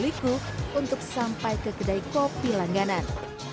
dan mereka juga berpikir pikir untuk sampai ke kedai kopi langganan